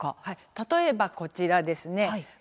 例えば、こちらです。